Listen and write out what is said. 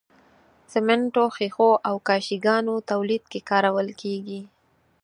سمنټو، ښيښو او کاشي ګانو تولید کې کارول کیږي.